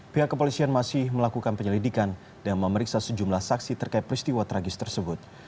pihak kepolisian masih melakukan penyelidikan dan memeriksa sejumlah saksi terkait peristiwa tragis tersebut